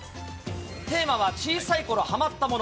テーマは小さいころはまったもの。